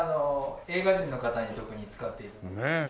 映画人の方に特に使って頂いて。